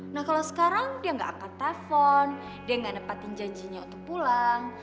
nah kalau sekarang dia gak akan telfon dia gak nempatin janjinya untuk pulang